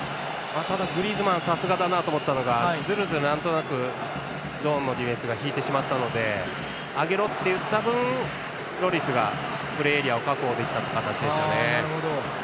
グリーズマンさすがだなと思ったのがずるずると、なんとなくゾーンのディフェンスが引いてしまったので上げろって言った分ロリスが、プレーエリアを確保できた形でしたね。